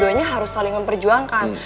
duanya harus saling memperjuangkan